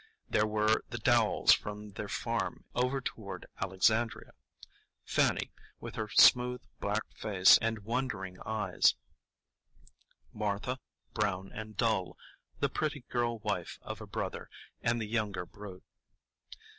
There were the Dowells from their farm over toward Alexandria,—Fanny, with her smooth black face and wondering eyes; Martha, brown and dull; the pretty girl wife of a brother, and the younger brood.